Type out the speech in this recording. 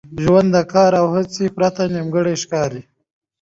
ژوند د کار او هڅي پرته نیمګړی ښکاري.